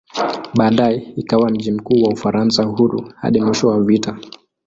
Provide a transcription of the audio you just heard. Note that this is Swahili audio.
Baadaye ikawa mji mkuu wa "Ufaransa Huru" hadi mwisho wa vita.